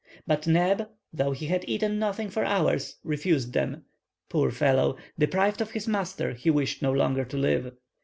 But Neb, though he had eaten nothing for hours, refused them. Poor fellow! deprived of his master, he wished no longer to live.